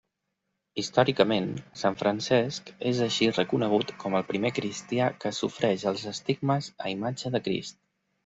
Històricament, sant Francesc és així reconegut com el primer cristià que sofreix els estigmes a imatge de Crist.